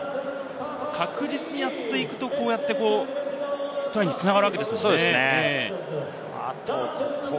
確実にやっていくと、トライに繋がるわけですもんね。